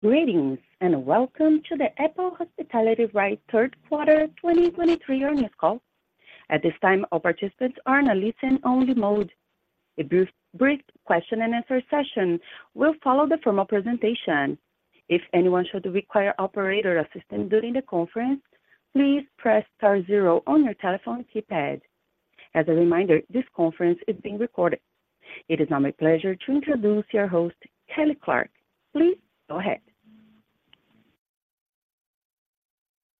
Greetings, and welcome to the Apple Hospitality REIT Third Quarter 2023 Earnings Call. At this time, all participants are in a listen-only mode. A brief question and answer session will follow the formal presentation. If anyone should require operator assistance during the conference, please press star zero on your telephone keypad. As a reminder, this conference is being recorded. It is now my pleasure to introduce your host, Kelly Clarke. Please go ahead.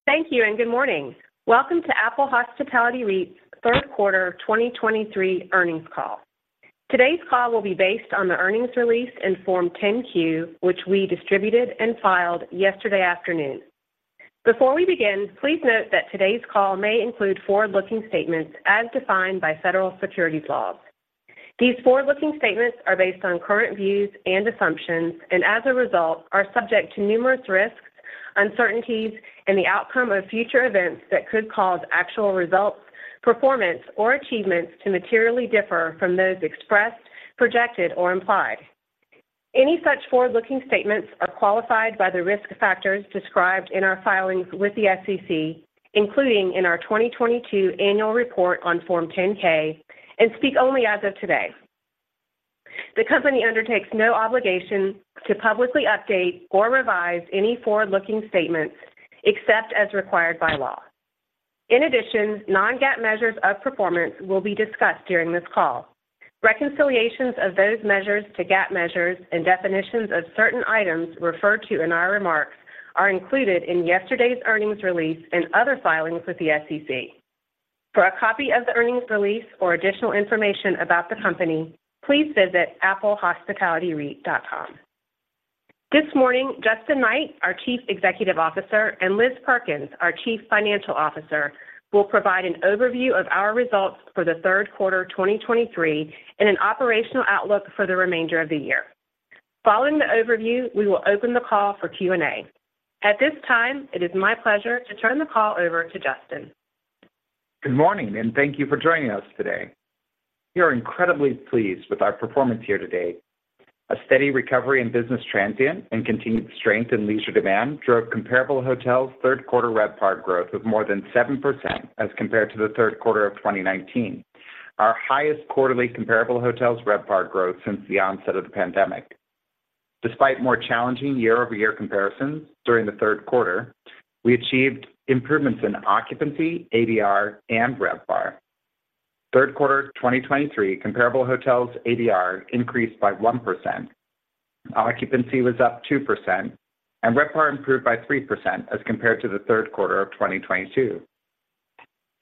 Thank you, and good morning. Welcome to Apple Hospitality REIT's Third Quarter 2023 Earnings Call. Today's call will be based on the earnings release and Form 10-Q, which we distributed and filed yesterday afternoon. Before we begin, please note that today's call may include forward-looking statements as defined by federal securities laws. These forward-looking statements are based on current views and assumptions, and as a result, are subject to numerous risks, uncertainties, and the outcome of future events that could cause actual results, performance, or achievements to materially differ from those expressed, projected, or implied. Any such forward-looking statements are qualified by the risk factors described in our filings with the SEC, including in our 2022 annual report on Form 10-K, and speak only as of today. The company undertakes no obligation to publicly update or revise any forward-looking statements, except as required by law. In addition, non-GAAP measures of performance will be discussed during this call. Reconciliations of those measures to GAAP measures and definitions of certain items referred to in our remarks are included in yesterday's earnings release and other filings with the SEC. For a copy of the earnings release or additional information about the company, please visit applehospitalityreit.com. This morning, Justin Knight, our Chief Executive Officer, and Liz Perkins, our Chief Financial Officer, will provide an overview of our results for the third quarter 2023 and an operational outlook for the remainder of the year. Following the overview, we will open the call for Q&A. At this time, it is my pleasure to turn the call over to Justin. Good morning, and thank you for joining us today. We are incredibly pleased with our performance here to date. A steady recovery in business transient and continued strength in leisure demand drove comparable hotels' third quarter RevPAR growth of more than 7% as compared to the third quarter of 2019, our highest quarterly comparable hotels RevPAR growth since the onset of the pandemic. Despite more challenging year-over-year comparisons during the third quarter, we achieved improvements in occupancy, ADR, and RevPAR. Third quarter 2023 comparable hotels ADR increased by 1%, occupancy was up 2%, and RevPAR improved by 3% as compared to the third quarter of 2022.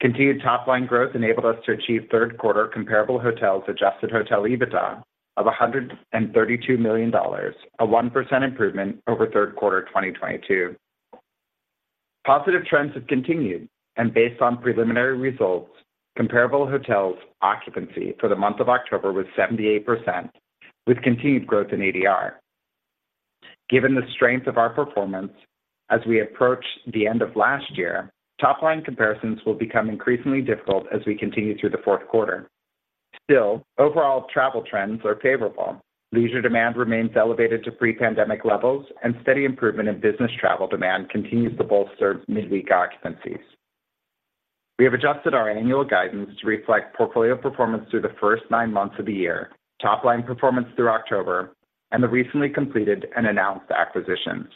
Continued top-line growth enabled us to achieve third quarter comparable hotels adjusted hotel EBITDA of $132 million, a 1% improvement over third quarter 2022. Positive trends have continued, and based on preliminary results, comparable hotels occupancy for the month of October was 78%, with continued growth in ADR. Given the strength of our performance as we approach the end of last year, top-line comparisons will become increasingly difficult as we continue through the fourth quarter. Still, overall travel trends are favorable. Leisure demand remains elevated to pre-pandemic levels, and steady improvement in business travel demand continues to bolster midweek occupancies. We have adjusted our annual guidance to reflect portfolio performance through the first nine months of the year, top-line performance through October, and the recently completed and announced acquisitions.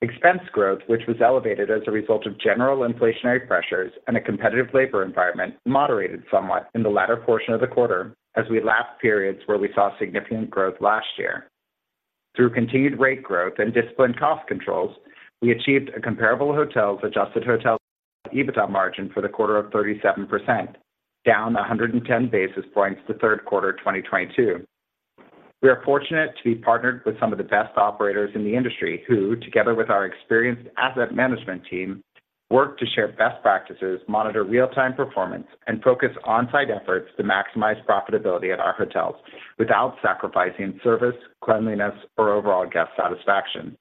Expense growth, which was elevated as a result of general inflationary pressures and a competitive labor environment, moderated somewhat in the latter portion of the quarter as we lapped periods where we saw significant growth last year. Through continued rate growth and disciplined cost controls, we achieved a comparable hotels adjusted hotel EBITDA margin for the quarter of 37%, down 110 basis points to third quarter 2022. We are fortunate to be partnered with some of the best operators in the industry, who, together with our experienced asset management team, work to share best practices, monitor real-time performance, and focus on-site efforts to maximize profitability at our hotels without sacrificing service, cleanliness, or overall guest satisfaction.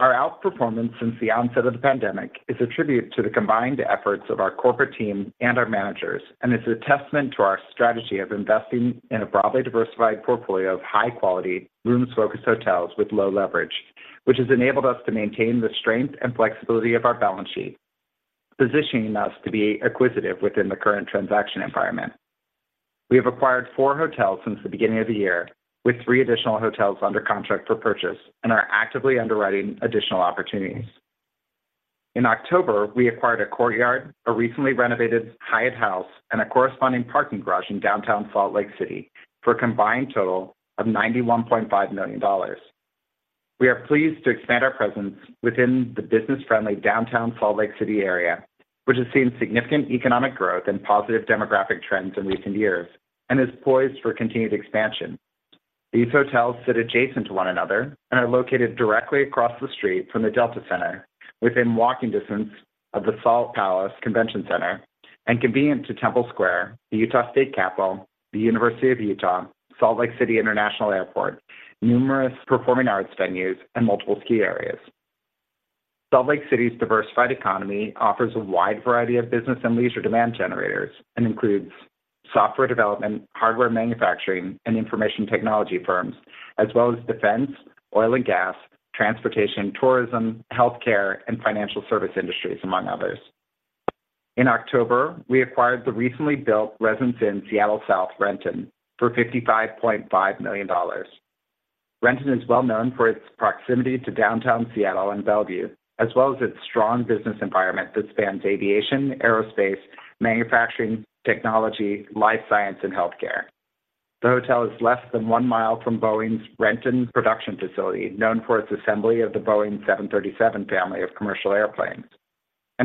Our outperformance since the onset of the pandemic is a tribute to the combined efforts of our corporate team and our managers, and is a testament to our strategy of investing in a broadly diversified portfolio of high-quality, rooms-focused hotels with low leverage, which has enabled us to maintain the strength and flexibility of our balance sheet, positioning us to be acquisitive within the current transaction environment. We have acquired four hotels since the beginning of the year, with three additional hotels under contract for purchase, and are actively underwriting additional opportunities. In October, we acquired a Courtyard, a recently renovated Hyatt House, and a corresponding parking garage in downtown Salt Lake City for a combined total of $91.5 million. We are pleased to expand our presence within the business-friendly downtown Salt Lake City area, which has seen significant economic growth and positive demographic trends in recent years and is poised for continued expansion. These hotels sit adjacent to one another and are located directly across the street from the Delta Center, within walking distance of the Salt Palace Convention Center and convenient to Temple Square, the Utah State Capitol, the University of Utah, Salt Lake City International Airport, numerous performing arts venues, and multiple ski areas. Salt Lake City's diversified economy offers a wide variety of business and leisure demand generators, and includes software development, hardware manufacturing, and information technology firms, as well as defense, oil and gas, transportation, tourism, healthcare, and financial service industries, among others. In October, we acquired the recently built Residence Inn Seattle South Renton for $55.5 million. Renton is well known for its proximity to downtown Seattle and Bellevue, as well as its strong business environment that spans aviation, aerospace, manufacturing, technology, life science, and healthcare. The hotel is less than one mile from Boeing's Renton production facility, known for its assembly of the Boeing 737 family of commercial airplanes.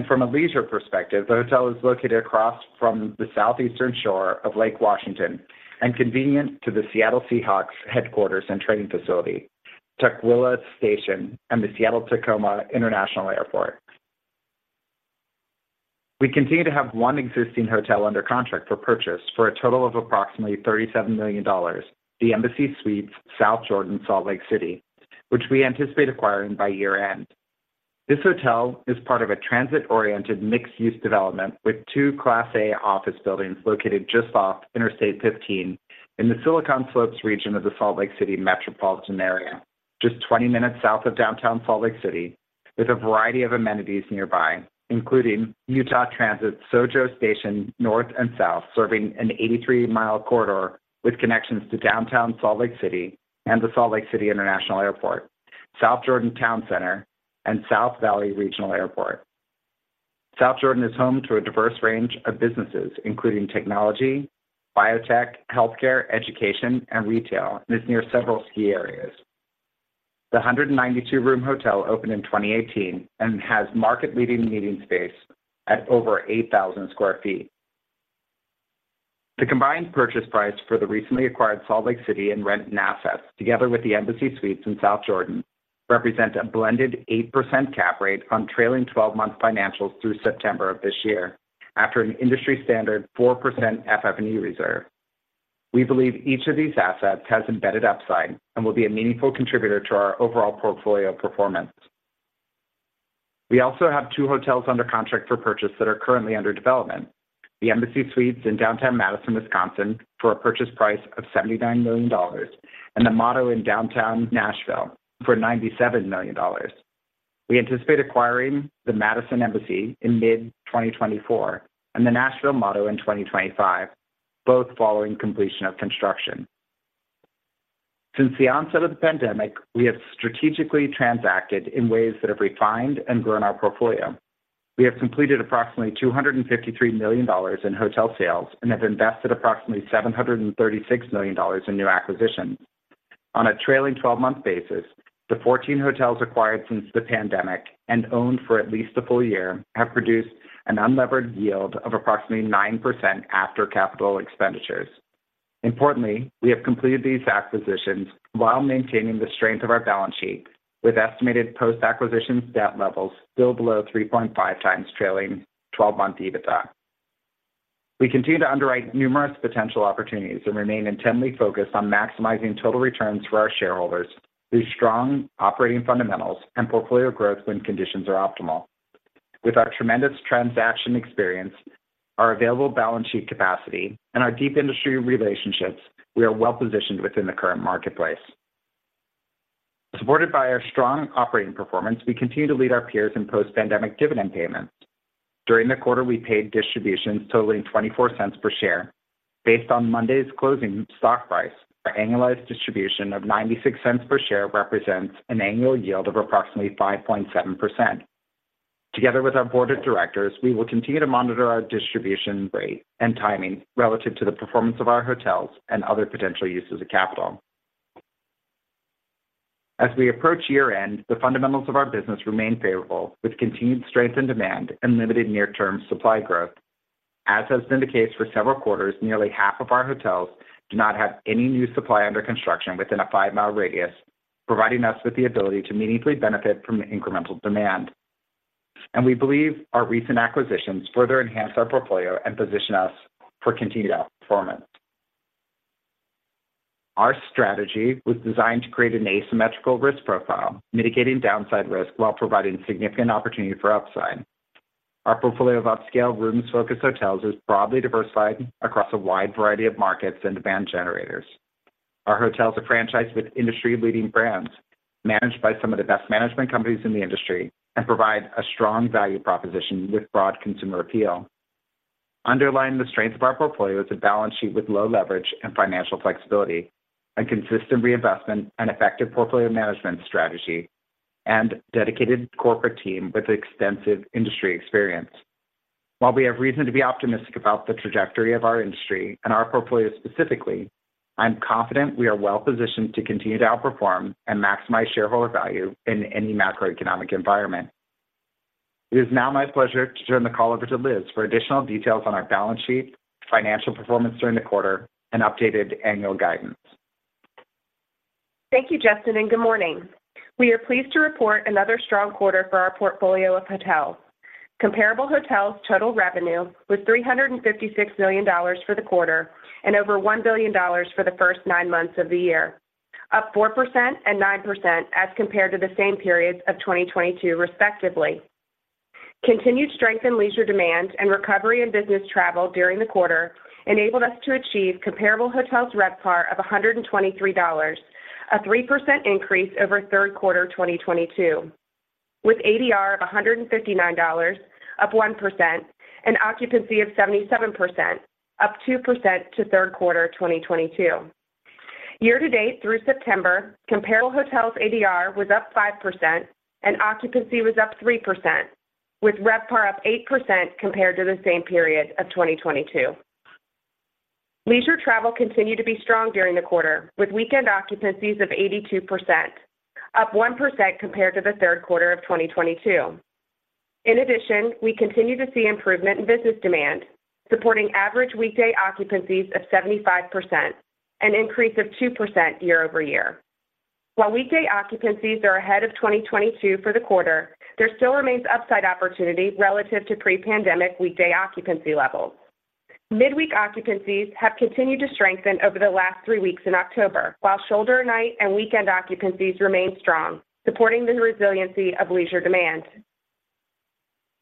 From a leisure perspective, the hotel is located across from the southeastern shore of Lake Washington and convenient to the Seattle Seahawks headquarters and training facility, Tukwila Station, and the Seattle-Tacoma International Airport. We continue to have one existing hotel under contract for purchase for a total of approximately $37 million, the Embassy Suites South Jordan, Salt Lake City, which we anticipate acquiring by year-end. This hotel is part of a transit-oriented, mixed-use development with two Class A office buildings located just off Interstate 15 in the Silicon Slopes region of the Salt Lake City metropolitan area, just 20 minutes south of downtown Salt Lake City, with a variety of amenities nearby, including Utah Transit's SoJo Station North and South, serving an 83 mi corridor with connections to downtown Salt Lake City and the Salt Lake City International Airport, South Jordan Towne Center, and South Valley Regional Airport. South Jordan is home to a diverse range of businesses, including technology, biotech, healthcare, education, and retail, and is near several ski areas. The 192-room hotel opened in 2018 and has market-leading meeting space at over 8,000 sq ft. The combined purchase price for the recently acquired Salt Lake City and Renton assets, together with the Embassy Suites in South Jordan, represent a blended 8% cap rate on trailing 12-month financials through September of this year, after an industry-standard 4% FF&E reserve. We believe each of these assets has embedded upside and will be a meaningful contributor to our overall portfolio performance. We also have two hotels under contract for purchase that are currently under development: the Embassy Suites in downtown Madison, Wisconsin, for a purchase price of $79 million, and the Motto in downtown Nashville for $97 million. We anticipate acquiring the Madison Embassy in mid-2024 and the Nashville Motto in 2025, both following completion of construction. Since the onset of the pandemic, we have strategically transacted in ways that have refined and grown our portfolio. We have completed approximately $253 million in hotel sales and have invested approximately $736 million in new acquisitions. On a trailing 12-month basis, the 14 hotels acquired since the pandemic and owned for at least a full year have produced an unlevered yield of approximately 9% after capital expenditures. Importantly, we have completed these acquisitions while maintaining the strength of our balance sheet with estimated post-acquisition debt levels still below 3.5x trailing 12-month EBITDA. We continue to underwrite numerous potential opportunities and remain intently focused on maximizing total returns for our shareholders through strong operating fundamentals and portfolio growth when conditions are optimal. With our tremendous transaction experience, our available balance sheet capacity, and our deep industry relationships, we are well-positioned within the current marketplace. Supported by our strong operating performance, we continue to lead our peers in post-pandemic dividend payments. During the quarter, we paid distributions totaling $0.24 per share. Based on Monday's closing stock price, our annualized distribution of $0.96 per share represents an annual yield of approximately 5.7%. Together with our board of directors, we will continue to monitor our distribution rate and timing relative to the performance of our hotels and other potential uses of capital. As we approach year-end, the fundamentals of our business remain favorable, with continued strength in demand and limited near-term supply growth. As has been the case for several quarters, nearly half of our hotels do not have any new supply under construction within a 5 mi radius, providing us with the ability to meaningfully benefit from incremental demand. We believe our recent acquisitions further enhance our portfolio and position us for continued outperformance. Our strategy was designed to create an asymmetrical risk profile, mitigating downside risk while providing significant opportunity for upside. Our portfolio of upscale room-focused hotels is broadly diversified across a wide variety of markets and demand generators. Our hotels are franchised with industry-leading brands, managed by some of the best management companies in the industry, and provide a strong value proposition with broad consumer appeal. Underlying the strength of our portfolio is a balance sheet with low leverage and financial flexibility, and consistent reinvestment and effective portfolio management strategy, and dedicated corporate team with extensive industry experience. While we have reason to be optimistic about the trajectory of our industry and our portfolio specifically, I'm confident we are well positioned to continue to outperform and maximize shareholder value in any macroeconomic environment. It is now my pleasure to turn the call over to Liz for additional details on our balance sheet, financial performance during the quarter, and updated annual guidance. Thank you, Justin, and good morning. We are pleased to report another strong quarter for our portfolio of hotels. Comparable hotels total revenue was $356 million for the quarter and over $1 billion for the first nine months of the year, up 4% and 9% as compared to the same periods of 2022, respectively. Continued strength in leisure demand and recovery in business travel during the quarter enabled us to achieve comparable hotels RevPAR of $123, a 3% increase over third quarter 2022, with ADR of $159, up 1%, and occupancy of 77%, up 2% to third quarter 2022. Year to date through September, comparable hotels ADR was up 5% and occupancy was up 3%, with RevPAR up 8% compared to the same period of 2022. Leisure travel continued to be strong during the quarter, with weekend occupancies of 82%, up 1% compared to the third quarter of 2022. In addition, we continue to see improvement in business demand, supporting average weekday occupancies of 75%, an increase of 2% year-over-year. While weekday occupancies are ahead of 2022 for the quarter, there still remains upside opportunity relative to pre-pandemic weekday occupancy levels. Midweek occupancies have continued to strengthen over the last three weeks in October, while shoulder night and weekend occupancies remain strong, supporting the resiliency of leisure demand.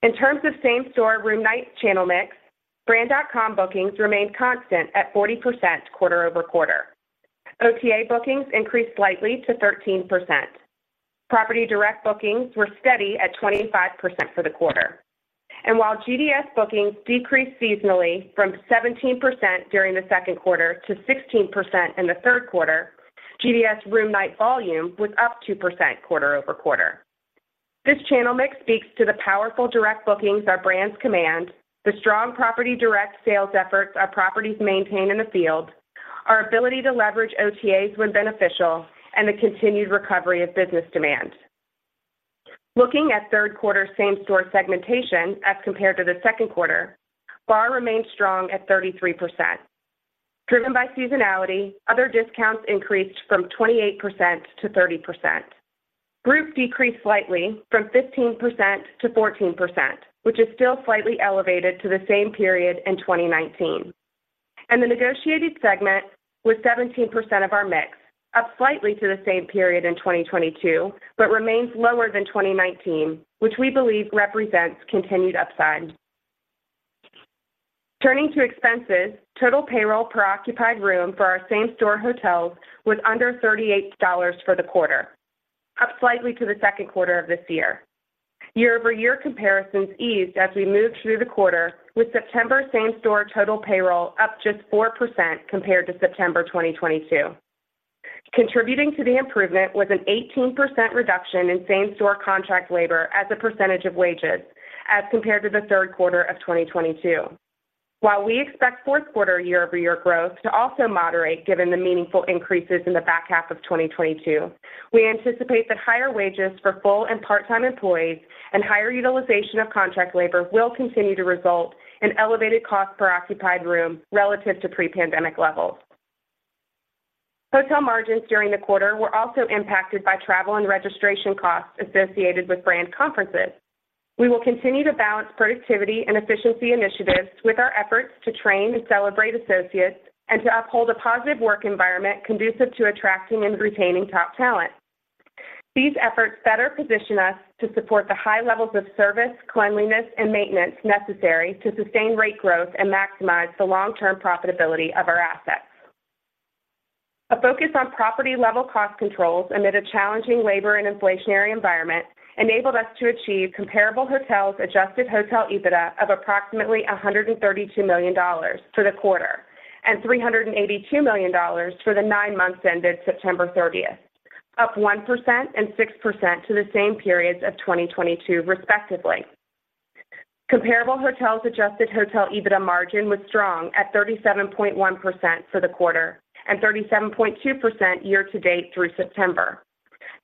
In terms of same-store room night channel mix, brand.com bookings remained constant at 40% quarter-over-quarter. OTA bookings increased slightly to 13%. Property direct bookings were steady at 25% for the quarter. While GDS bookings decreased seasonally from 17% during the second quarter to 16% in the third quarter, GDS room night volume was up 2% quarter-over-quarter. This channel mix speaks to the powerful direct bookings our brands command, the strong property direct sales efforts our properties maintain in the field, our ability to leverage OTAs when beneficial, and the continued recovery of business demand. Looking at third quarter same-store segmentation as compared to the second quarter, VaR remained strong at 33%. Driven by seasonality, other discounts increased from 28%-30%. Group decreased slightly from 15%-14%, which is still slightly elevated to the same period in 2019. The negotiated segment was 17% of our mix, up slightly to the same period in 2022, but remains lower than 2019, which we believe represents continued upside. Turning to expenses, total payroll per occupied room for our same-store hotels was under $38 for the quarter, up slightly to the second quarter of this year. Year-over-year comparisons eased as we moved through the quarter, with September same-store total payroll up just 4% compared to September 2022. Contributing to the improvement was an 18% reduction in same-store contract labor as a percentage of wages as compared to the third quarter of 2022. While we expect fourth quarter year-over-year growth to also moderate, given the meaningful increases in the back half of 2022, we anticipate that higher wages for full and part-time employees and higher utilization of contract labor will continue to result in elevated cost per occupied room relative to pre-pandemic levels. Hotel margins during the quarter were also impacted by travel and registration costs associated with brand conferences. We will continue to balance productivity and efficiency initiatives with our efforts to train and celebrate associates and to uphold a positive work environment conducive to attracting and retaining top talent. These efforts better position us to support the high levels of service, cleanliness, and maintenance necessary to sustain rate growth and maximize the long-term profitability of our assets. A focus on property-level cost controls amid a challenging labor and inflationary environment enabled us to achieve comparable hotels adjusted hotel EBITDA of approximately $132 million for the quarter and $382 million for the nine months ended September 30th, up 1% and 6% to the same periods of 2022, respectively. Comparable hotels adjusted hotel EBITDA margin was strong at 37.1% for the quarter and 37.2% year-to-date through September,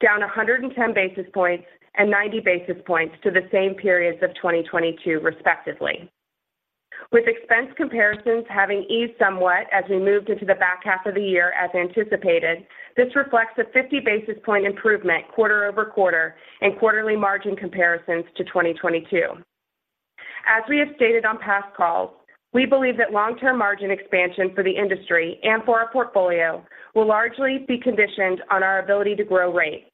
down 110 basis points and 90 basis points to the same periods of 2022, respectively. With expense comparisons having eased somewhat as we moved into the back half of the year as anticipated, this reflects a 50 basis point improvement quarter-over-quarter in quarterly margin comparisons to 2022. As we have stated on past calls, we believe that long-term margin expansion for the industry and for our portfolio will largely be conditioned on our ability to grow rates.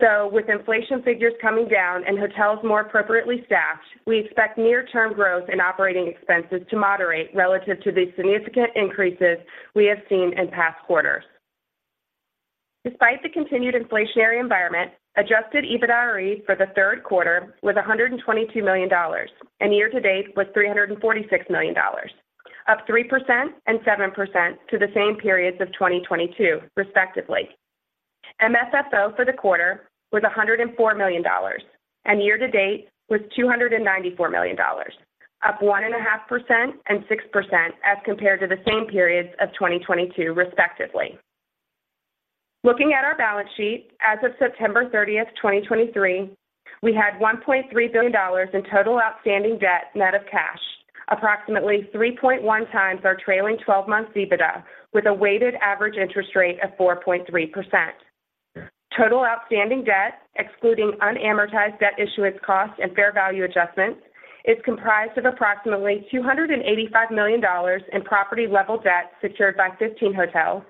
So with inflation figures coming down and hotels more appropriately staffed, we expect near term growth in operating expenses to moderate relative to the significant increases we have seen in past quarters. Despite the continued inflationary environment, Adjusted EBITDAre for the third quarter was $122 million, and year-to-date was $346 million, up 3% and 7% to the same periods of 2022, respectively. MFFO for the quarter was $104 million, and year-to-date was $294 million, up 1.5% and 6% as compared to the same periods of 2022, respectively. Looking at our balance sheet, as of September 30th, 2023, we had $1.3 billion in total outstanding debt net of cash, approximately 3.1x our trailing 12-month EBITDA, with a weighted average interest rate of 4.3%. Total outstanding debt, excluding unamortized debt issuance costs and fair value adjustments, is comprised of approximately $285 million in property-level debt secured by 15 hotels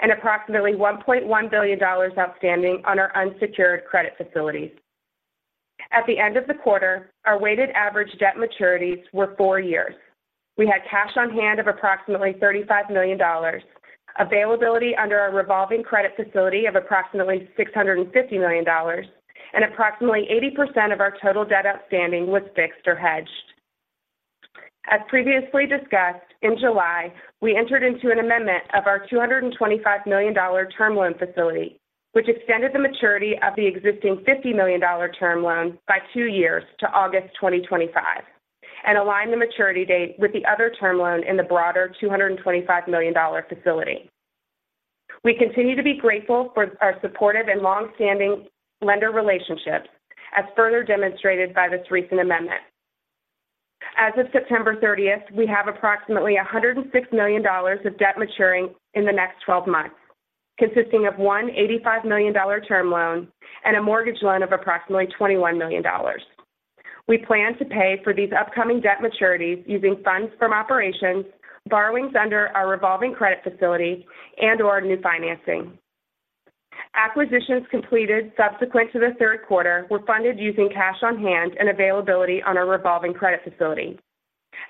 and approximately $1.1 billion outstanding on our unsecured credit facilities. At the end of the quarter, our weighted average debt maturities were four years. We had cash on hand of approximately $35 million, availability under our revolving credit facility of approximately $650 million, and approximately 80% of our total debt outstanding was fixed or hedged. As previously discussed, in July, we entered into an amendment of our $225 million term loan facility, which extended the maturity of the existing $50 million term loan by two years to August 2025, and aligned the maturity date with the other term loan in the broader $225 million term loan facility. We continue to be grateful for our supportive and long-standing lender relationships, as further demonstrated by this recent amendment. As of September 30th, we have approximately $106 million of debt maturing in the next 12 months, consisting of one $85 million term loan and a mortgage loan of approximately $21 million. We plan to pay for these upcoming debt maturities using funds from operations, borrowings under our revolving credit facility, and/or new financing. Acquisitions completed subsequent to the third quarter were funded using cash on hand and availability on our revolving credit facility.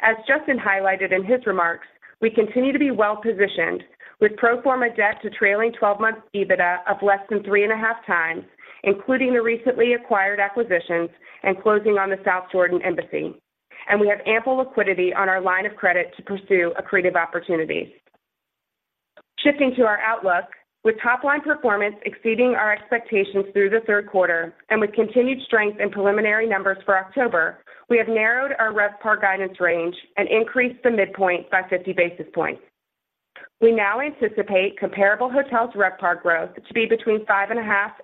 As Justin highlighted in his remarks, we continue to be well-positioned with pro forma debt to trailing 12-month EBITDA of less than 3.5x, including the recently acquired acquisitions and closing on the South Jordan Embassy, and we have ample liquidity on our line of credit to pursue accretive opportunities. Shifting to our outlook, with top-line performance exceeding our expectations through the third quarter and with continued strength in preliminary numbers for October, we have narrowed our RevPAR guidance range and increased the midpoint by 50 basis points. We now anticipate comparable hotels RevPAR growth to be between 5.5%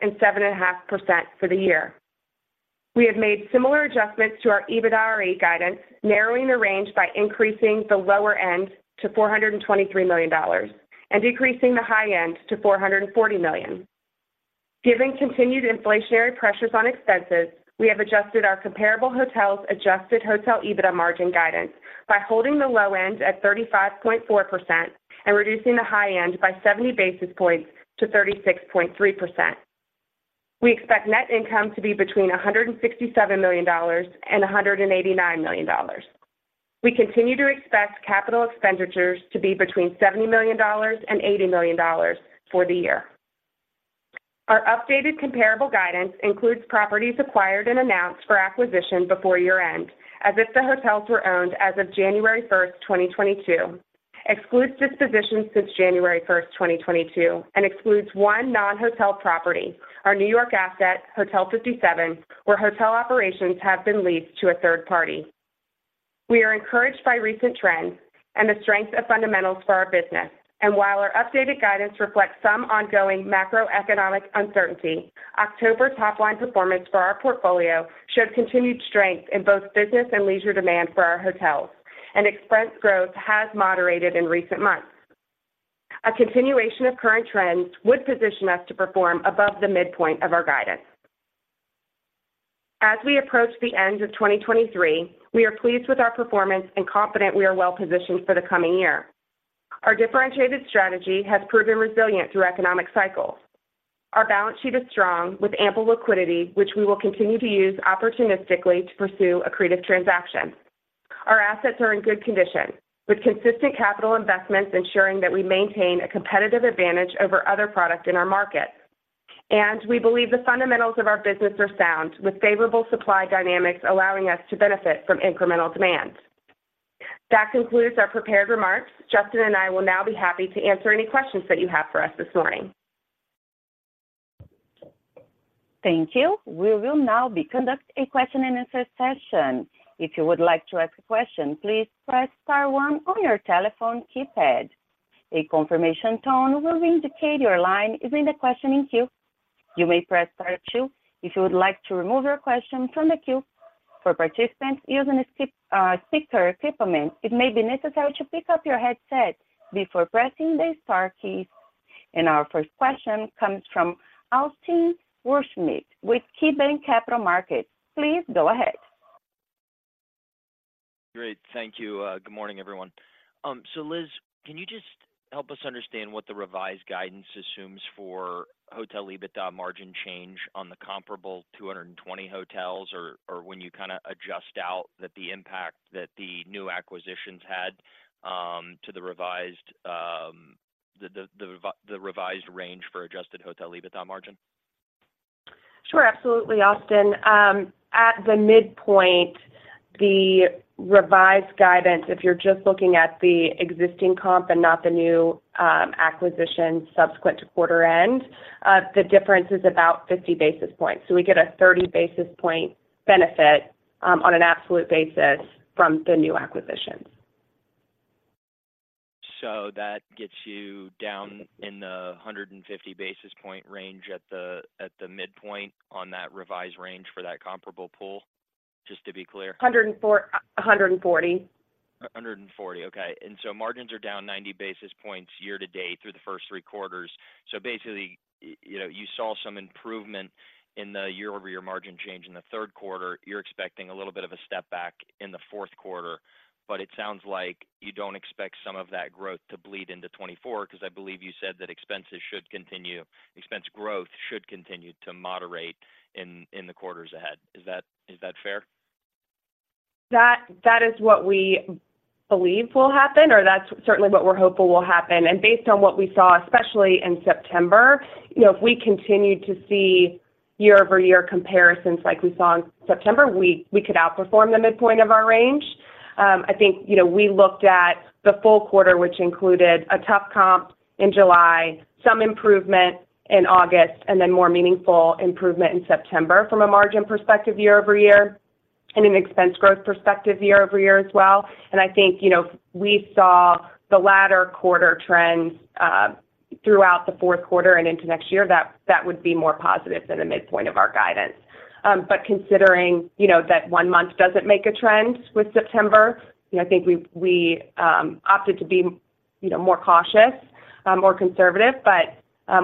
and 7.5% for the year. We have made similar adjustments to our EBITDAre guidance, narrowing the range by increasing the lower end to $423 million and decreasing the high end to $440 million. Given continued inflationary pressures on expenses, we have adjusted our comparable hotels' adjusted hotel EBITDA margin guidance by holding the low end at 35.4% and reducing the high end by 70 basis points to 36.3%. We expect net income to be between $167 million and $189 million. We continue to expect capital expenditures to be between $70 million and $80 million for the year. Our updated comparable guidance includes properties acquired and announced for acquisition before year-end, as if the hotels were owned as of January 1st, 2022, excludes dispositions since January 1st, 2022, and excludes one non-hotel property, our New York asset, Hotel 57, where hotel operations have been leased to a third party. We are encouraged by recent trends and the strength of fundamentals for our business, and while our updated guidance reflects some ongoing macroeconomic uncertainty, October top-line performance for our portfolio showed continued strength in both business and leisure demand for our hotels, and expense growth has moderated in recent months. A continuation of current trends would position us to perform above the midpoint of our guidance. As we approach the end of 2023, we are pleased with our performance and confident we are well positioned for the coming year. Our differentiated strategy has proven resilient through economic cycles. Our balance sheet is strong, with ample liquidity, which we will continue to use opportunistically to pursue accretive transactions. Our assets are in good condition, with consistent capital investments ensuring that we maintain a competitive advantage over other products in our market. We believe the fundamentals of our business are sound, with favorable supply dynamics allowing us to benefit from incremental demand. That concludes our prepared remarks. Justin and I will now be happy to answer any questions that you have for us this morning. Thank you. We will now be conducting a question-and-answer session. If you would like to ask a question, please press star one on your telephone keypad. A confirmation tone will indicate your line is in the questioning queue. You may press star two if you would like to remove your question from the queue. For participants using a skip, speaker equipment, it may be necessary to pick up your headset before pressing the star key. And our first question comes from Austin Wurschmidt with KeyBanc Capital Markets. Please go ahead. Great. Thank you. Good morning, everyone. So Liz, can you just help us understand what the revised guidance assumes for hotel EBITDA margin change on the comparable 220 hotels, or when you kind of adjust out that the impact that the new acquisitions had, to the revised range for adjusted hotel EBITDA margin? Sure, absolutely, Austin. At the midpoint, the revised guidance, if you're just looking at the existing comp and not the new acquisition subsequent to quarter end, the difference is about 50 basis points. So we get a 30 basis point benefit on an absolute basis from the new acquisitions. That gets you down in the 150 basis points range at the midpoint on that revised range for that comparable pool, just to be clear? 140. 140, okay. So margins are down 90 basis points year to date through the first three quarters. So basically, you know, you saw some improvement in the year-over-year margin change in the third quarter. You're expecting a little bit of a step back in the fourth quarter, but it sounds like you don't expect some of that growth to bleed into 2024, because I believe you said that expenses should continue, expense growth should continue to moderate in the quarters ahead. Is that fair? That, that is what we believe will happen, or that's certainly what we're hopeful will happen. And based on what we saw, especially in September, you know, if we continue to see year-over-year comparisons like we saw in September, we, we could outperform the midpoint of our range. I think, you know, we looked at the full quarter, which included a tough comp in July, some improvement in August, and then more meaningful improvement in September from a margin perspective year-over-year, and an expense growth perspective year-over-year as well. And I think, you know, if we saw the latter quarter trends, throughout the fourth quarter and into next year, that, that would be more positive than the midpoint of our guidance. But considering, you know, that one month doesn't make a trend with September, you know, I think we opted to be, you know, more cautious, more conservative. But,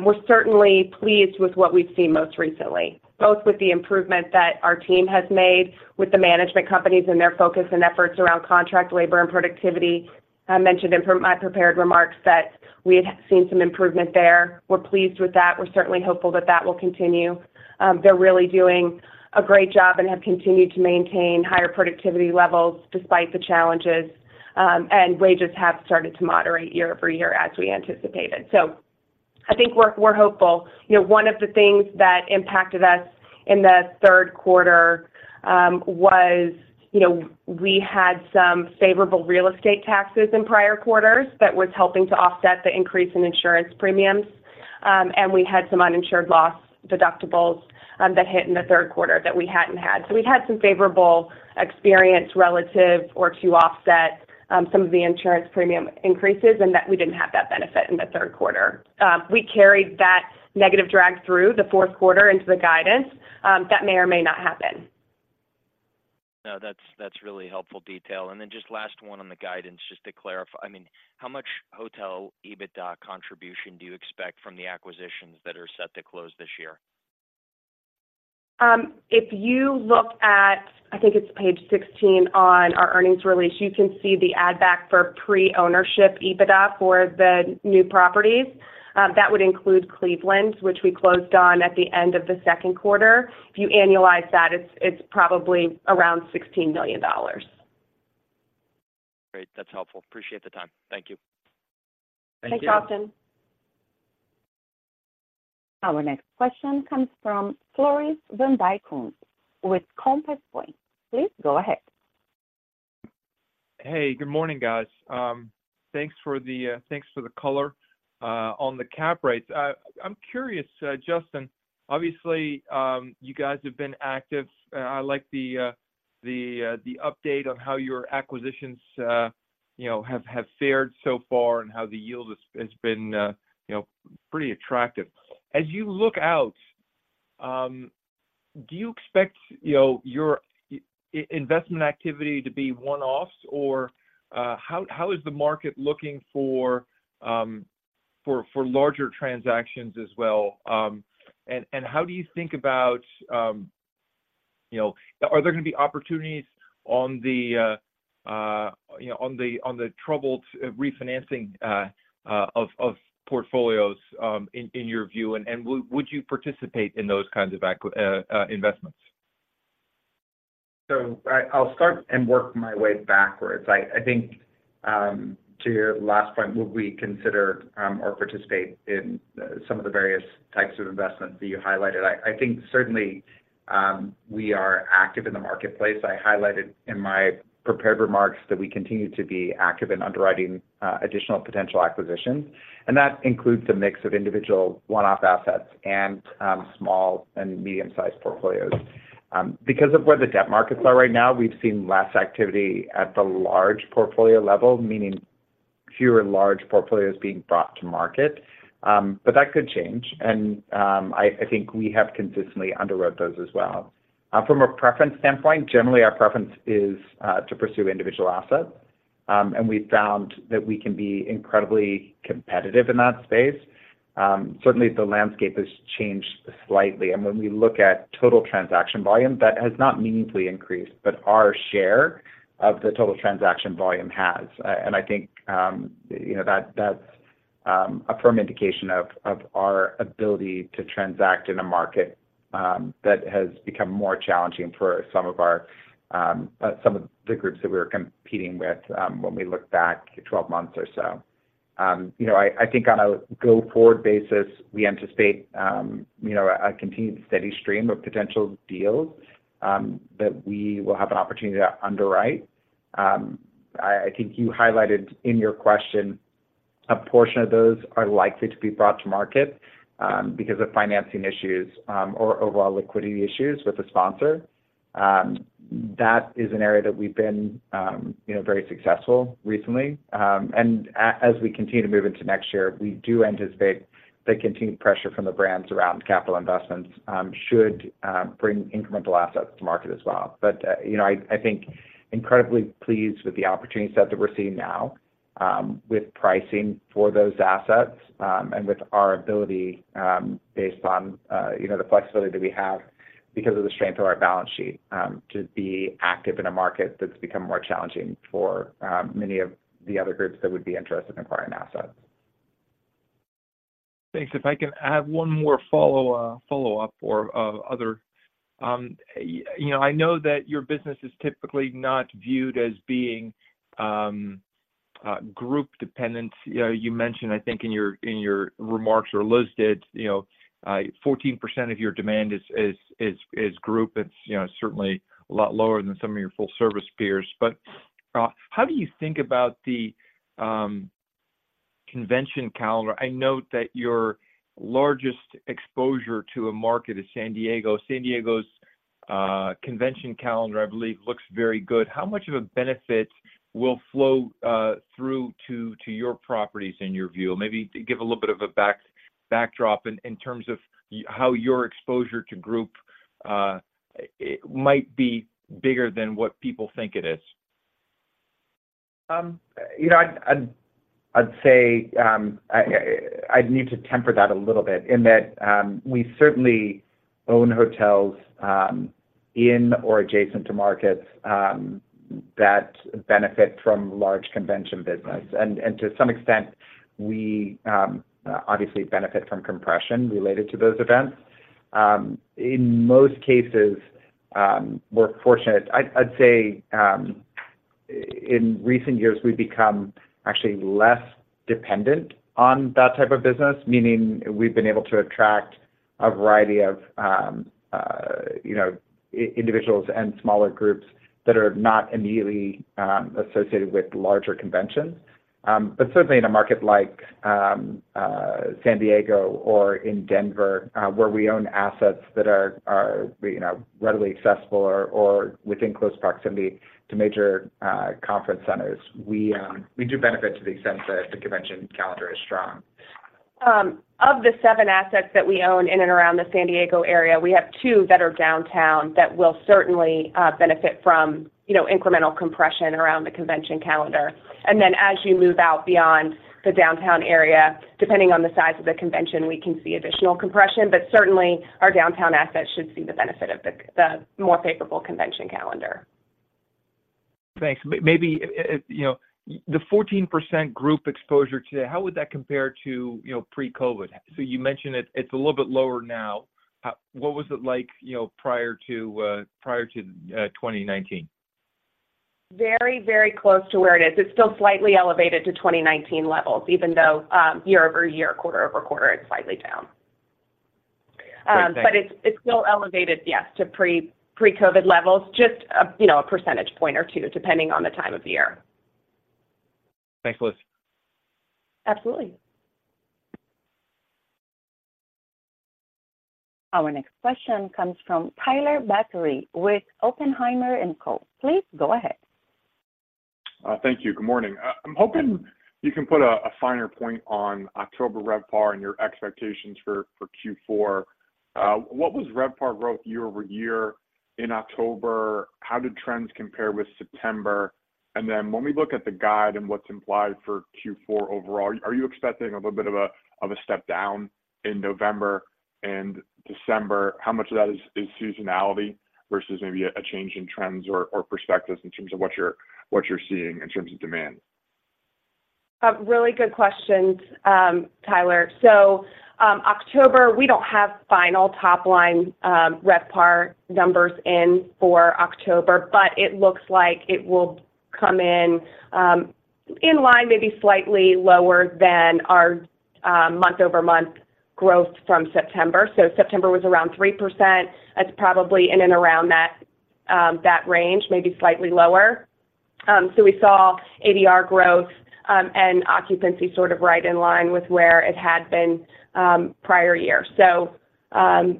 we're certainly pleased with what we've seen most recently, both with the improvement that our team has made with the management companies and their focus and efforts around contract labor and productivity. I mentioned in my prepared remarks that we have seen some improvement there. We're pleased with that. We're certainly hopeful that that will continue. They're really doing a great job and have continued to maintain higher productivity levels despite the challenges, and wages have started to moderate year-over-year as we anticipated. So I think we're hopeful. You know, one of the things that impacted us in the third quarter was, you know, we had some favorable real estate taxes in prior quarters that was helping to offset the increase in insurance premiums, and we had some uninsured loss deductibles that hit in the third quarter that we hadn't had. So we'd had some favorable experience relative or to offset some of the insurance premium increases, and that we didn't have that benefit in the third quarter. We carried that negative drag through the fourth quarter into the guidance that may or may not happen. No, that's, that's really helpful detail. And then just last one on the guidance, just to clarify, I mean, how much hotel EBITDA contribution do you expect from the acquisitions that are set to close this year? If you look at, I think it's page 16 on our earnings release, you can see the add back for pre-ownership EBITDA for the new properties. That would include Cleveland, which we closed on at the end of the second quarter. If you annualize that, it's probably around $16 million. Great, that's helpful. Appreciate the time. Thank you. Thank you. Thanks, Austin. Our next question comes from Floris van Dijkum with Compass Point. Please go ahead. Hey, good morning, guys. Thanks for the color on the cap rates. I'm curious, Justin, obviously, you guys have been active. I like the update on how your acquisitions, you know, have fared so far and how the yield has been, you know, pretty attractive. As you look out, do you expect, you know, your investment activity to be one-offs, or, how is the market looking for larger transactions as well? And how do you think about, you know, are there going to be opportunities on the, you know, on the troubled refinancing of portfolios, in your view? And would you participate in those kinds of investments? So I, I'll start and work my way backwards. I think to your last point, would we consider or participate in some of the various types of investments that you highlighted? I think certainly we are active in the marketplace. I highlighted in my prepared remarks that we continue to be active in underwriting additional potential acquisitions, and that includes a mix of individual one-off assets and small and medium-sized portfolios. Because of where the debt markets are right now, we've seen less activity at the large portfolio level, meaning fewer large portfolios being brought to market, but that could change, and I think we have consistently underwrote those as well. From a preference standpoint, generally, our preference is to pursue individual assets, and we found that we can be incredibly competitive in that space. Certainly, the landscape has changed slightly, and when we look at total transaction volume, that has not meaningfully increased, but our share of the total transaction volume has. And I think, you know, that's a firm indication of our ability to transact in a market that has become more challenging for some of our some of the groups that we were competing with, when we look back 12 months or so. You know, I think on a go-forward basis, we anticipate, you know, a continued steady stream of potential deals that we will have an opportunity to underwrite. I think you highlighted in your question, a portion of those are likely to be brought to market because of financing issues or overall liquidity issues with the sponsor. That is an area that we've been, you know, very successful recently. And as we continue to move into next year, we do anticipate that continued pressure from the brands around capital investments should bring incremental assets to market as well. But, you know, I think incredibly pleased with the opportunity set that we're seeing now with pricing for those assets, and with our ability, based on, you know, the flexibility that we have because of the strength of our balance sheet, to be active in a market that's become more challenging for many of the other groups that would be interested in acquiring assets. Thanks. If I can add one more follow-up or other. You know, I know that your business is typically not viewed as being group dependent. You know, you mentioned, I think, in your remarks, or Liz did, you know, 14% of your demand is group. It's, you know, certainly a lot lower than some of your full-service peers. But, how do you think about the convention calendar? I note that your largest exposure to a market is San Diego. San Diego's convention calendar, I believe, looks very good. How much of a benefit will flow through to your properties in your view? Maybe give a little bit of a backdrop in terms of how your exposure to group, it might be bigger than what people think it is. You know, I'd say, I'd need to temper that a little bit in that we certainly own hotels in or adjacent to markets that benefit from large convention business. And to some extent, we obviously benefit from compression related to those events. In most cases, we're fortunate. I'd say in recent years, we've become actually less dependent on that type of business, meaning we've been able to attract a variety of you know individuals and smaller groups that are not immediately associated with larger conventions. But certainly in a market like San Diego or in Denver, where we own assets that are, you know, readily accessible or within close proximity to major conference centers, we do benefit to the extent that the convention calendar is strong. Of the seven assets that we own in and around the San Diego area, we have two that are downtown that will certainly benefit from, you know, incremental compression around the convention calendar. And then, as you move out beyond the downtown area, depending on the size of the convention, we can see additional compression, but certainly, our downtown assets should see the benefit of the more favorable convention calendar. Thanks. Maybe, you know, the 14% group exposure today, how would that compare to, you know, pre-COVID? So you mentioned it, it's a little bit lower now. What was it like, you know, prior to 2019? Very, very close to where it is. It's still slightly elevated to 2019 levels, even though, year-over-year, quarter-over-quarter, it's slightly down. Great, thanks. But it's still elevated, yes, to pre-COVID levels, just you know a percentage point or two, depending on the time of year. Thanks, Liz. Absolutely. Our next question comes from Tyler Batory with Oppenheimer and Co. Please go ahead. Thank you. Good morning. I'm hoping you can put a finer point on October RevPAR and your expectations for Q4. What was RevPAR growth year-over-year in October? How did trends compare with September? And then when we look at the guide and what's implied for Q4 overall, are you expecting a little bit of a step down in November and December? How much of that is seasonality versus maybe a change in trends or perspectives in terms of what you're seeing in terms of demand? Really good questions, Tyler. So, October, we don't have final top line, RevPAR numbers in for October, but it looks like it will come in, in line, maybe slightly lower than our, month-over-month growth from September. So September was around 3%. It's probably in and around that, that range, maybe slightly lower. So we saw ADR growth, and occupancy sort of right in line with where it had been, prior year. So,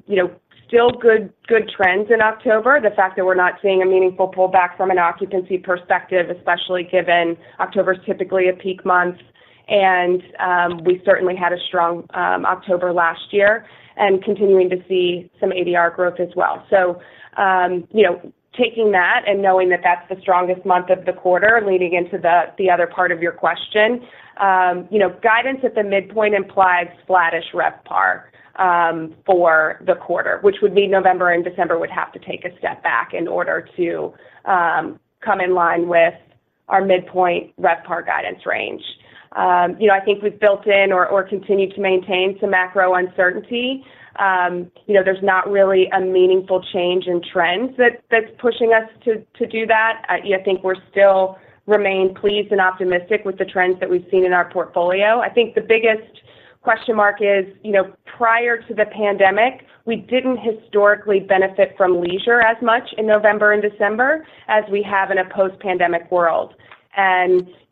you know, still good, good trends in October. The fact that we're not seeing a meaningful pullback from an occupancy perspective, especially given October is typically a peak month, and, we certainly had a strong, October last year and continuing to see some ADR growth as well. So, you know, taking that and knowing that that's the strongest month of the quarter, leading into the other part of your question, you know, guidance at the midpoint implies flattish RevPAR for the quarter, which would mean November and December would have to take a step back in order to come in line with our midpoint RevPAR guidance range. You know, I think we've built in or, or continued to maintain some macro uncertainty. You know, there's not really a meaningful change in trends that's, that's pushing us to, to do that. I think we're still remain pleased and optimistic with the trends that we've seen in our portfolio. I think the biggest question mark is, you know, prior to the pandemic, we didn't historically benefit from leisure as much in November and December as we have in a post-pandemic world.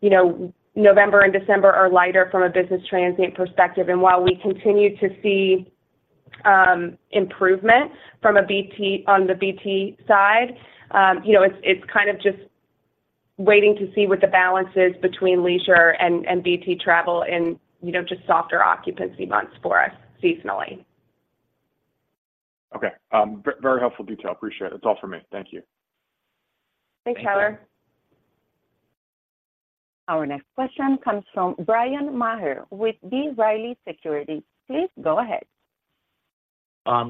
You know, November and December are lighter from a business transient perspective, and while we continue to see improvement from a BT, on the BT side, you know, it's kind of just waiting to see what the balance is between leisure and BT travel and, you know, just softer occupancy months for us seasonally. Okay, very helpful detail. Appreciate it. That's all for me. Thank you. Thanks, Tyler. Thank you. Our next question comes from Bryan Maher with B. Riley Securities. Please go ahead.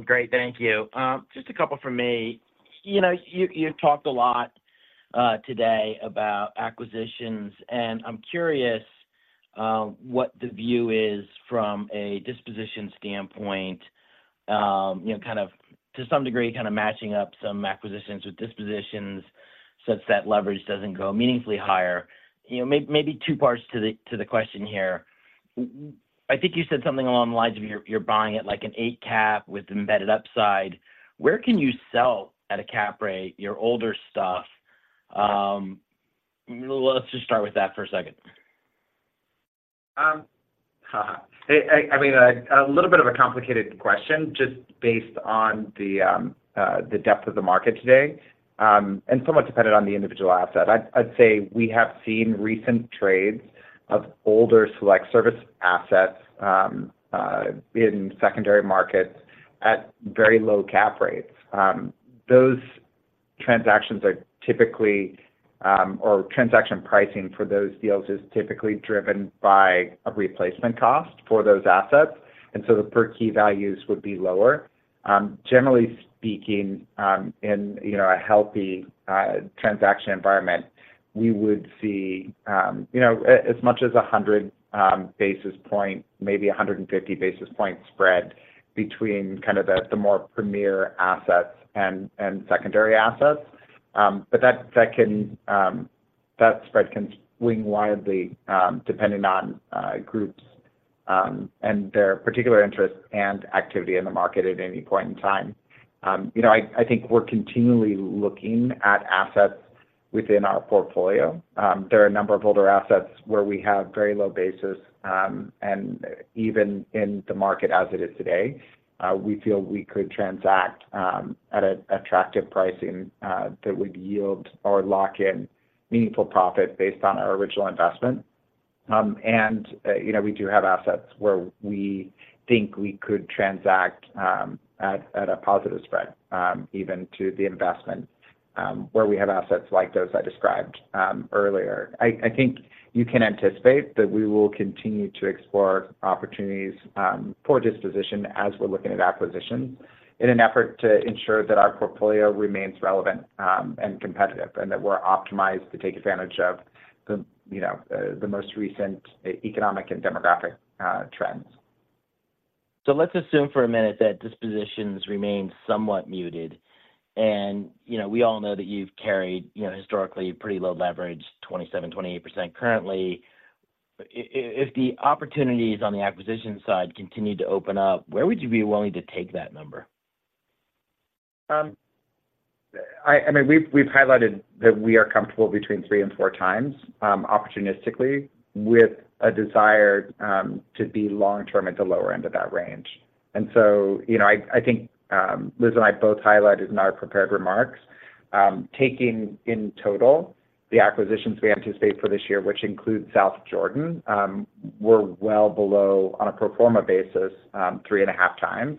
Great, thank you. Just a couple from me. You know, you, you talked a lot, today about acquisitions, and I'm curious, what the view is from a disposition standpoint, you know, kind of to some degree, kind of matching up some acquisitions with dispositions such that leverage doesn't go meaningfully higher. You know, maybe two parts to the question here. I think you said something along the lines of you're, you're buying at, like, an 8 cap with embedded upside. Where can you sell at a cap rate, your older stuff? Let's just start with that for a second. Ha ha. I mean, a little bit of a complicated question, just based on the depth of the market today, and somewhat dependent on the individual asset. I'd say we have seen recent trades of older select service assets in secondary markets at very low cap rates. Those transactions are typically, or transaction pricing for those deals is typically driven by a replacement cost for those assets, and so the per key values would be lower. Generally speaking, in, you know, a healthy transaction environment, we would see, you know, as much as 100 basis point, maybe 150 basis point spread between kind of the more premier assets and secondary assets. But that spread can swing widely, depending on groups and their particular interests and activity in the market at any point in time. You know, I think we're continually looking at assets within our portfolio. There are a number of older assets where we have very low basis, and even in the market as it is today, we feel we could transact at attractive pricing that would yield or lock in meaningful profit based on our original investment. You know, we do have assets where we think we could transact at a positive spread, even to the investment, where we have assets like those I described earlier. I think you can anticipate that we will continue to explore opportunities for disposition as we're looking at acquisitions, in an effort to ensure that our portfolio remains relevant and competitive, and that we're optimized to take advantage of the, you know, the most recent economic and demographic trends. Let's assume for a minute that dispositions remain somewhat muted. You know, we all know that you've carried, you know, historically, pretty low leverage, 27%, 28% currently. If the opportunities on the acquisition side continue to open up, where would you be willing to take that number? I mean, we've highlighted that we are comfortable 3x and 4x, opportunistically, with a desire to be long term at the lower end of that range. And so, you know, I think Liz and I both highlighted in our prepared remarks, taking in total the acquisitions we anticipate for this year, which includes South Jordan, we're well below on a pro forma basis 3.5x.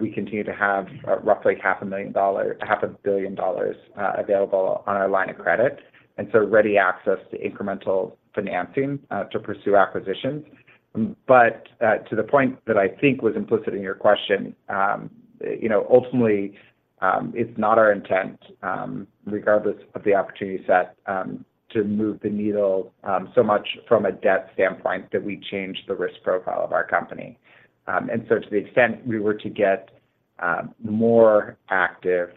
We continue to have roughly $500,000,000 available on our line of credit, and so ready access to incremental financing to pursue acquisitions. But, to the point that I think was implicit in your question, you know, ultimately, it's not our intent, regardless of the opportunity set, to move the needle, so much from a debt standpoint, that we change the risk profile of our company. And so to the extent we were to get, more active,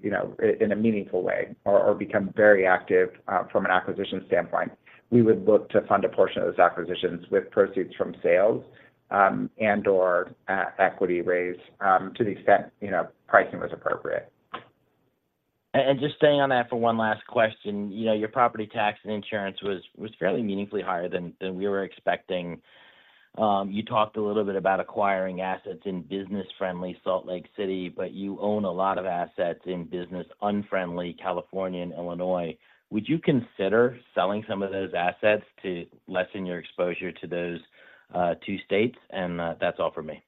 you know, in a meaningful way or, or become very active, from an acquisition standpoint, we would look to fund a portion of those acquisitions with proceeds from sales, and/or, equity raise, to the extent, you know, pricing was appropriate. And just staying on that for one last question. You know, your property tax and insurance was fairly meaningfully higher than we were expecting. You talked a little bit about acquiring assets in business-friendly Salt Lake City, but you own a lot of assets in business unfriendly California and Illinois. Would you consider selling some of those assets to lessen your exposure to those two states? And that's all for me.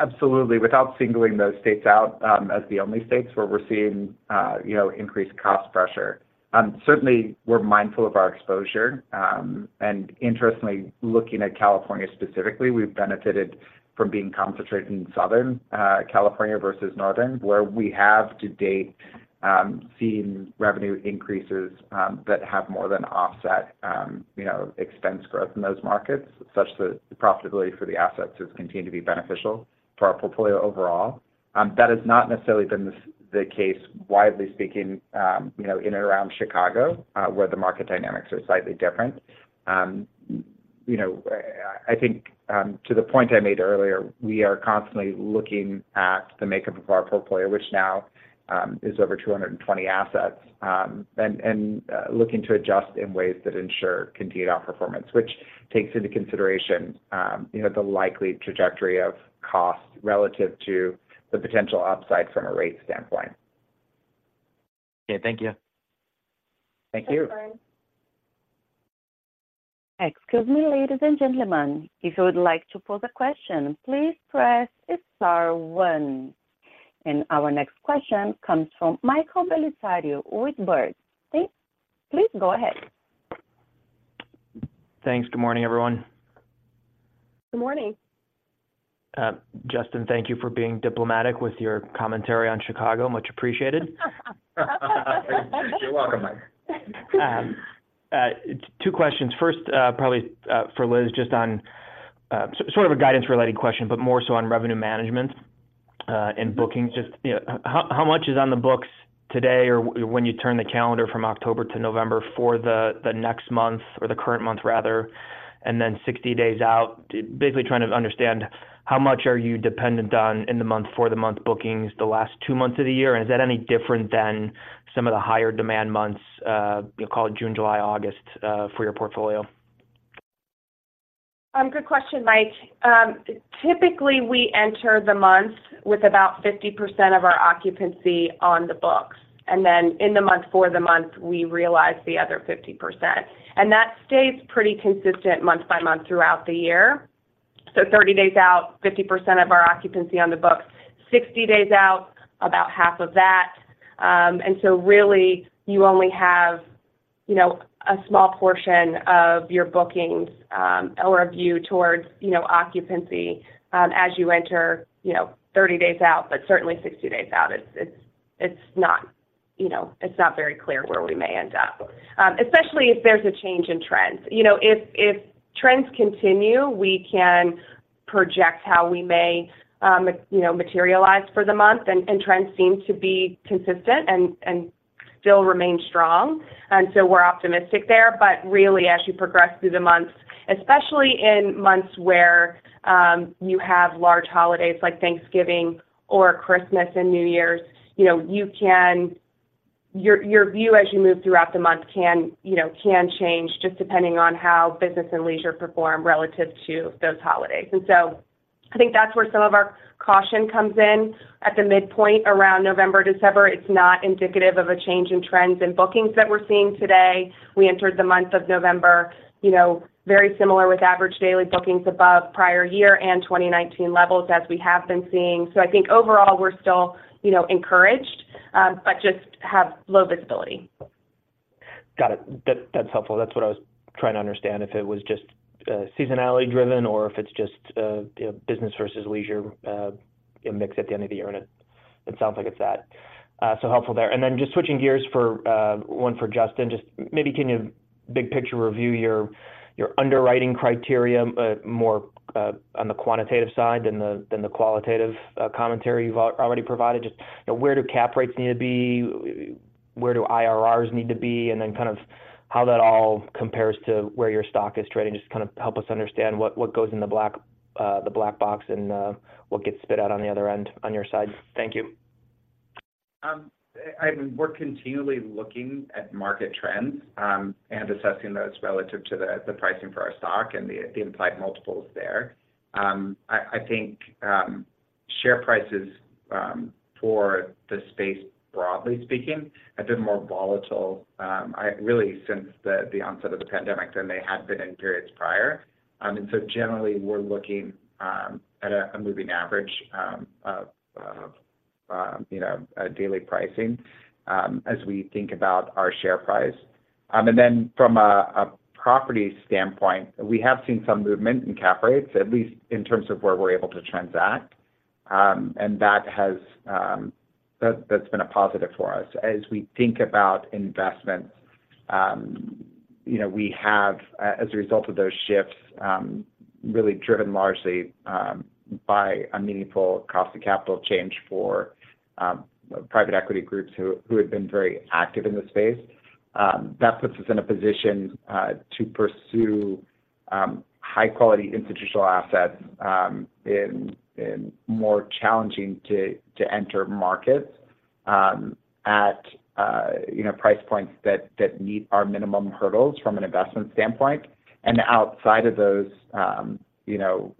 Absolutely. Without singling those states out, as the only states where we're seeing, you know, increased cost pressure, certainly we're mindful of our exposure. And interestingly, looking at California specifically, we've benefited from being concentrated in Southern California versus Northern, where we have to date, seen revenue increases, that have more than offset, you know, expense growth in those markets, such that the profitability for the assets has continued to be beneficial for our portfolio overall. That has not necessarily been the case, widely speaking, you know, in and around Chicago, where the market dynamics are slightly different. You know, I think, to the point I made earlier, we are constantly looking at the makeup of our portfolio, which now is over 220 assets, and looking to adjust in ways that ensure continued outperformance, which takes into consideration, you know, the likely trajectory of cost relative to the potential upside from a rate standpoint. Okay, thank you. Thank you. Excuse me, ladies and gentlemen, if you would like to pose a question, please press star one. Our next question comes from Michael Bellisario with Baird. Please, please go ahead. Thanks. Good morning, everyone. Good morning. Justin, thank you for being diplomatic with your commentary on Chicago. Much appreciated. You're welcome, Mike. Two questions. First, probably, for Liz, just on, sort of a guidance-related question, but more so on revenue management and bookings. Just, you know, how much is on the books today or when you turn the calendar from October to November for the next month or the current month, rather, and then 60 days out? Basically, trying to understand how much are you dependent on in-the-month, for-the-month bookings the last two months of the year, and is that any different than some of the higher demand months, call it June, July, August, for your portfolio? Good question, Mike. Typically, we enter the month with about 50% of our occupancy on the books, and then in the month, for the month, we realize the other 50%, and that stays pretty consistent month by month throughout the year. So 30 days out, 50% of our occupancy on the books. 60 days out, about half of that. And so really, you only have, you know, a small portion of your bookings, or a view towards, you know, occupancy, as you enter, you know, 30 days out, but certainly 60 days out, it's, it's, it's not, you know, it's not very clear where we may end up. Especially if there's a change in trends. You know, if trends continue, we can project how we may, you know, materialize for the month, and trends seem to be consistent and still remain strong, and so we're optimistic there. But really, as you progress through the months, especially in months where you have large holidays like Thanksgiving or Christmas and New Year's, you know, you can, your view as you move throughout the month can, you know, change just depending on how business and leisure perform relative to those holidays. And so I think that's where some of our caution comes in. At the midpoint, around November, December, it's not indicative of a change in trends and bookings that we're seeing today. We entered the month of November, you know, very similar with average daily bookings above prior year and 2019 levels, as we have been seeing. So I think overall, we're still, you know, encouraged, but just have low visibility. Got it. That, that's helpful. That's what I was trying to understand, if it was just, seasonality driven or if it's just, you know, business versus leisure, mix at the end of the year, and it, it sounds like it's that. So helpful there. And then just switching gears for, one for Justin, just maybe can you big picture review your, your underwriting criteria, but more, on the quantitative side than the, than the qualitative, commentary you've already provided? Just, you know, where do cap rates need to be? Where do IRRs need to be? And then kind of how that all compares to where your stock is trading. Just kind of help us understand what, what goes in the black, the black box and, what gets spit out on the other end on your side. Thank you. I mean, we're continually looking at market trends and assessing those relative to the pricing for our stock and the implied multiples there. I think share prices for the space, broadly speaking, have been more volatile really since the onset of the pandemic than they had been in periods prior. And so generally, we're looking at a moving average of you know, a daily pricing as we think about our share price. And then from a property standpoint, we have seen some movement in cap rates, at least in terms of where we're able to transact. And that has, that, that's been a positive for us. As we think about investments, you know, we have, as a result of those shifts, really driven largely by a meaningful cost of capital change for private equity groups who had been very active in the space. That puts us in a position to pursue high-quality institutional assets in more challenging to enter markets at, you know, price points that meet our minimum hurdles from an investment standpoint. And outside of those, you know,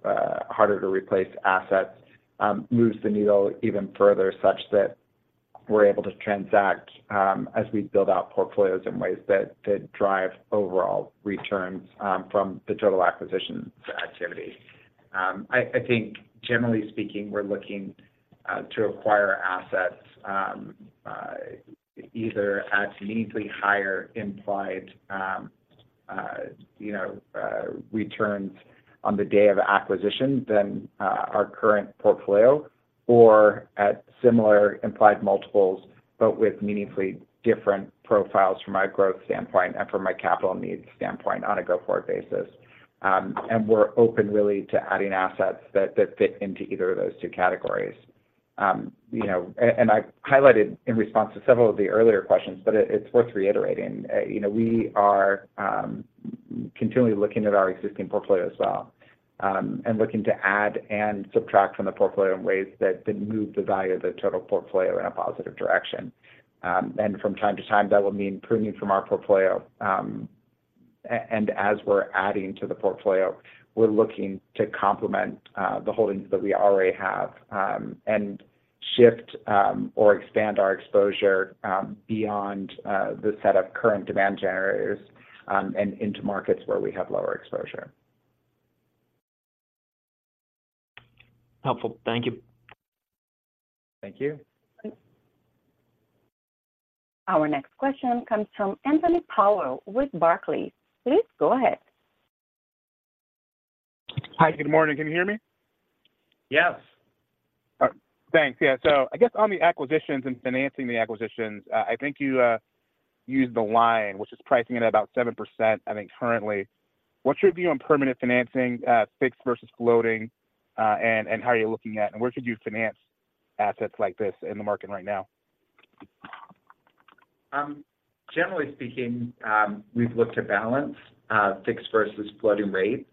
harder to replace assets moves the needle even further, such that we're able to transact as we build out portfolios in ways that drive overall returns from the total acquisition activity. I think generally speaking, we're looking to acquire assets either at meaningfully higher implied, you know, returns on the day of acquisition than our current portfolio, or at similar implied multiples, but with meaningfully different profiles from a growth standpoint and from a capital needs standpoint on a go-forward basis. And we're open really to adding assets that fit into either of those two categories. You know, and I highlighted in response to several of the earlier questions, but it's worth reiterating. You know, we are continually looking at our existing portfolio as well, and looking to add and subtract from the portfolio in ways that can move the value of the total portfolio in a positive direction. And from time to time, that will mean pruning from our portfolio. As we're adding to the portfolio, we're looking to complement the holdings that we already have, and shift or expand our exposure beyond the set of current demand generators, and into markets where we have lower exposure. Helpful. Thank you. Thank you. Our next question comes from Anthony Powell with Barclays. Please go ahead. Hi, good morning. Can you hear me? Yes. Thanks. Yeah, so I guess on the acquisitions and financing the acquisitions, I think you used the line, which is pricing at about 7%, I think, currently. What's your view on permanent financing, fixed versus floating, and how are you looking at, and where should you finance assets like this in the market right now? Generally speaking, we've looked to balance fixed versus floating rate.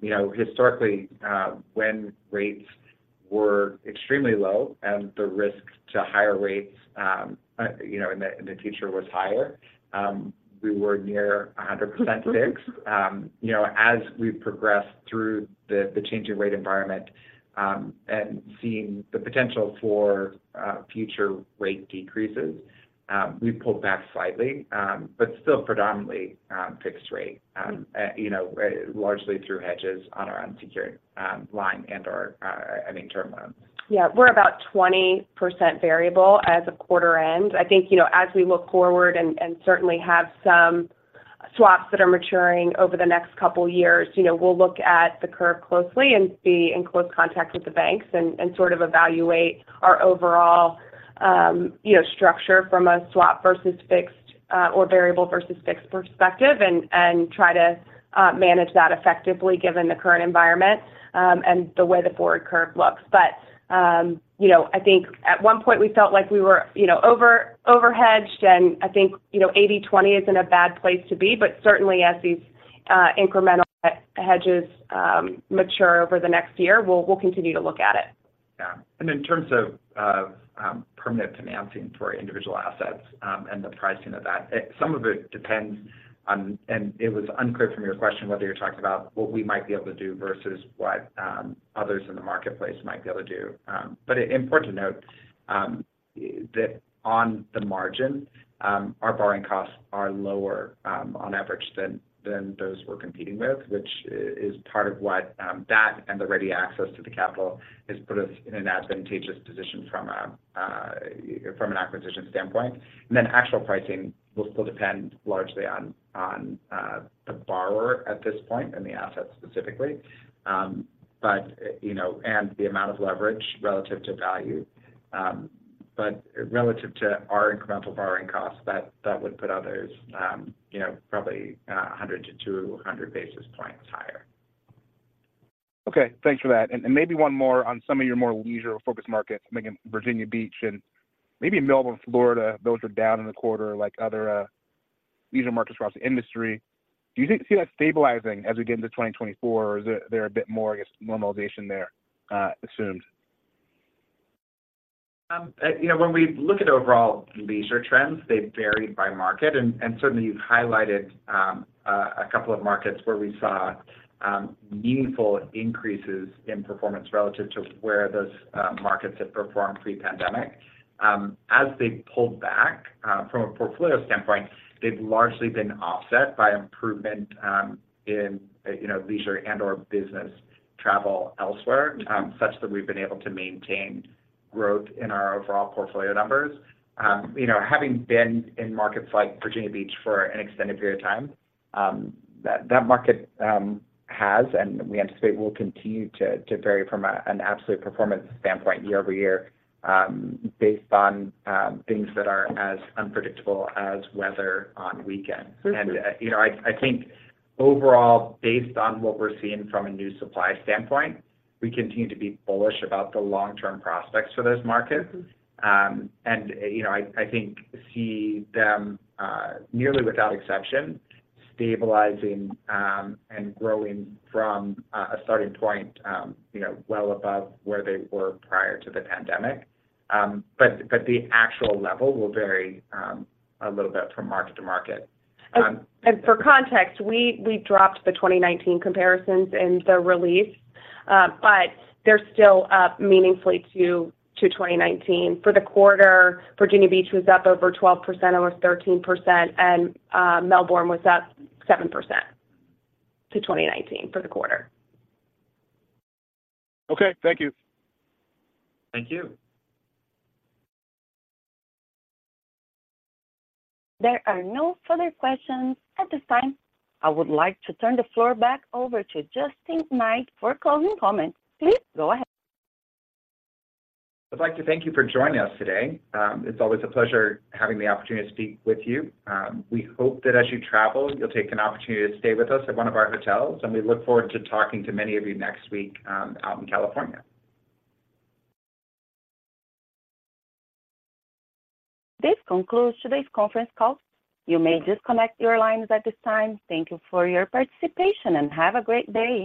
You know, historically, when rates were extremely low and the risk to higher rates you know, in the future was higher, we were near 100% fixed. You know, as we've progressed through the changing rate environment and seeing the potential for future rate decreases, we pulled back slightly, but still predominantly fixed rate, you know, largely through hedges on our unsecured line and our, I mean, term loans. Yeah, we're about 20% variable as a quarter end. I think, you know, as we look forward and certainly have some swaps that are maturing over the next couple of years, you know, we'll look at the curve closely and be in close contact with the banks and sort of evaluate our overall, you know, structure from a swap versus fixed or variable versus fixed perspective, and try to manage that effectively, given the current environment and the way the forward curve looks. But, you know, I think at one point we felt like we were, you know, over-hedged, and I think, you know, 80-20 isn't a bad place to be, but certainly as these incremental hedges mature over the next year, we'll continue to look at it. Yeah. And in terms of permanent financing for individual assets, and the pricing of that, some of it depends on-- and it was unclear from your question whether you're talking about what we might be able to do versus what others in the marketplace might be able to do. But important to note that on the margin our borrowing costs are lower on average than those we're competing with, which is part of what that and the ready access to the capital has put us in an advantageous position from a from an acquisition standpoint. And then actual pricing will still depend largely on the borrower at this point in the asset specifically, but you know and the amount of leverage relative to value, but relative to our incremental borrowing costs, that would put others you know probably 100-200 basis points higher. Okay, thanks for that. And maybe one more on some of your more leisure-focused markets, maybe Virginia Beach and maybe Melbourne, Florida, those are down in the quarter, like other leisure markets across the industry. Do you think—see that stabilizing as we get into 2024, or is there a bit more, I guess, normalization there assumed? You know, when we look at overall leisure trends, they vary by market, and certainly, you've highlighted a couple of markets where we saw meaningful increases in performance relative to where those markets had performed pre-pandemic. As they've pulled back, from a portfolio standpoint, they've largely been offset by improvement in you know, leisure and/or business travel elsewhere, such that we've been able to maintain growth in our overall portfolio numbers. You know, having been in markets like Virginia Beach for an extended period of time, that market has and we anticipate will continue to vary from an absolute performance standpoint year-over-year, based on things that are as unpredictable as weather on weekends. Mm-hmm. You know, I think overall, based on what we're seeing from a new supply standpoint, we continue to be bullish about the long-term prospects for those markets. Mm-hmm. And, you know, I think see them nearly without exception stabilizing and growing from a starting point, you know, well above where they were prior to the pandemic. But the actual level will vary a little bit from market to market. For context, we dropped the 2019 comparisons in the release, but they're still up meaningfully to 2019. For the quarter, Virginia Beach was up over 12%, almost 13%, and Melbourne was up 7% to 2019 for the quarter. Okay, thank you. Thank you. There are no further questions at this time. I would like to turn the floor back over to Justin Knight for closing comments. Please go ahead. I'd like to thank you for joining us today. It's always a pleasure having the opportunity to speak with you. We hope that as you travel, you'll take an opportunity to stay with us at one of our hotels, and we look forward to talking to many of you next week, out in California. This concludes today's conference call. You may disconnect your lines at this time. Thank you for your participation, and have a great day.